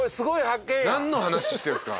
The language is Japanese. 何の話してるんすか。